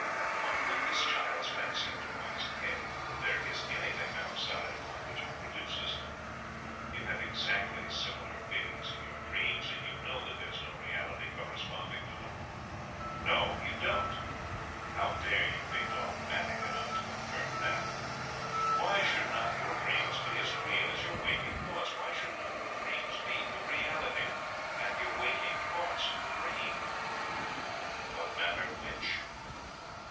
What put this child's fancy into one's head, that there is anything outside of one which produces them? You have exactly similar feelings in your dreams, and you know that there is no reality corresponding to them No, you don't! How dare you be dogmatic enough to affirm that? Why should not your dreams be as real as your waking thoughts? Why should not your dreams be the reality, and your waking thoughts the dream? What matter which?